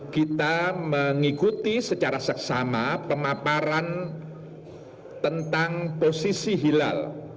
kita mengikuti secara seksama pemaparan tentang posisi hilal